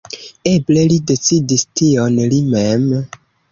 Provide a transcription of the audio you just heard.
Eble li decidis tion li mem.